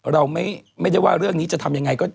เราไม่ได้ว่าเรื่องนี้จะทำยังไงก็